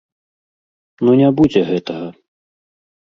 Ну не будзе гэтага.